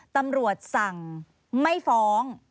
ตำรวจสั่งไม่ฟ้อง